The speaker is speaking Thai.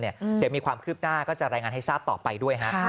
เดี๋ยวมีความคืบหน้าก็จะรายงานให้ทราบต่อไปด้วยฮะ